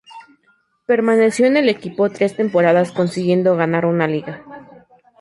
Permaneció en el equipo tres temporadas consiguiendo ganar una Liga.